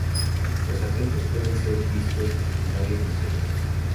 Los agentes pueden ser vistos en varias misiones.